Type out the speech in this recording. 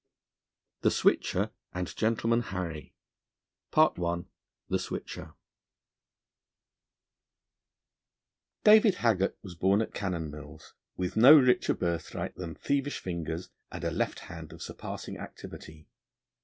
THE SWITCHER AND GENTLEMAN HARRY I THE SWITCHER DAVID HAGGART was born at Canonmills, with no richer birthright than thievish fingers and a left hand of surpassing activity.